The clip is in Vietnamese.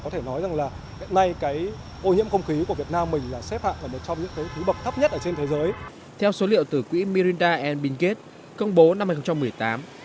theo số liệu từ quỹ miranda pinkett công bố năm hai nghìn một mươi tám